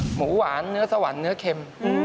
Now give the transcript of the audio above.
หมูหวานเนื้อสวรรค์เนื้อเค็ม